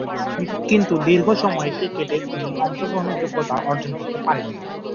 কিন্তু দীর্ঘ সময়ের ক্রিকেটে তিনি অংশগ্রহণের যোগ্যতা অর্জন করতে পারেননি।